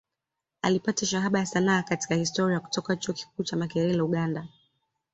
Alipata Shahada ya Sanaa katika Historia kutoka Chuo Kikuu cha Makerere Uganda